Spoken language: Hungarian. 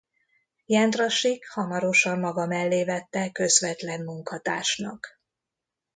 Jendrassik hamarosan maga mellé vette közvetlen munkatársnak.